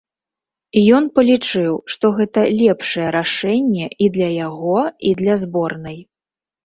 Ён палічыў, што гэта лепшае рашэнне і для яго, і для зборнай.